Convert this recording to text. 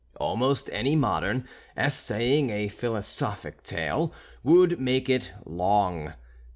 Almost any modern, essaying a philosophic tale, would make it long.